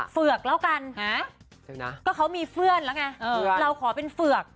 เฝือกแล้วกันก็เขามีเพื่อนแล้วไงเราขอเป็นเฝือก